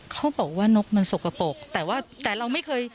เขาบอกว่านกมันสกปรก